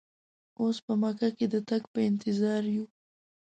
اوس په مکه کې د تګ په انتظار یو.